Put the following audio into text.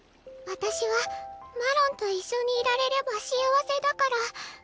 私はマロンと一緒にいられれば幸せだから。